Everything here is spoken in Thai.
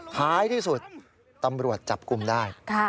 ท้ายที่สุดตำรวจจับกลุ่มได้